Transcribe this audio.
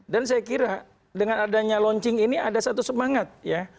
dan saya kira dengan adanya launching ini ada satu semangat ya